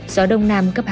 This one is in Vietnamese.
gió đông nam cấp hai ba